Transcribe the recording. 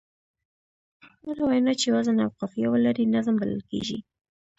هره وينا چي وزن او قافیه ولري؛ نظم بلل کېږي.